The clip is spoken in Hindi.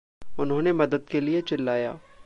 उन्होंने मदद के लिए चिल्लाया।